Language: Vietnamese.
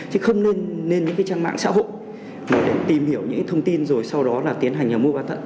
chứ không nên lên những cái trang mạng xã hội để tìm hiểu những thông tin rồi sau đó là tiến hành mua bán thận